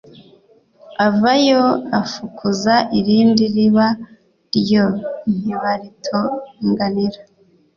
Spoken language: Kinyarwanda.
Avayo afukuza irindi riba ryo ntibaritonganira